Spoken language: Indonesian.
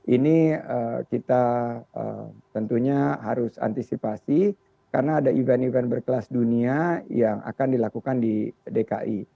ini kita tentunya harus antisipasi karena ada event event berkelas dunia yang akan dilakukan di dki